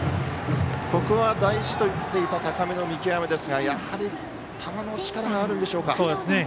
ここは大事といっていた高めの見極めですがやはり球の力があるんでしょうか。